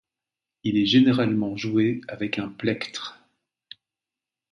Il est généralement joué avec un plectre.